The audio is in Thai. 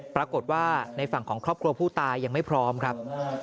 ปรากฏว่าในฝั่งของครอบครัวผู้ตายยังไม่พร้อมครับ